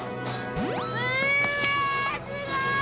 うわすごい！